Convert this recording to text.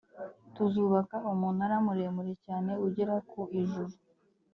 tuzubaka umunara muremure cyane ugera ku ijuru